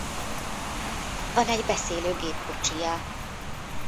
Van egy beszélő gépkocsija.